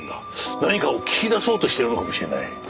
何かを聞き出そうとしているのかもしれない。